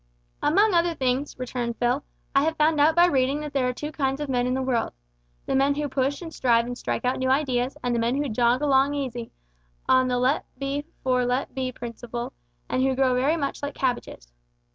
"Among other things," returned Phil, "I have found out by reading that there are two kinds of men in the world, the men who push and strive and strike out new ideas, and the men who jog along easy, on the let be for let be principle, and who grow very much like cabbages."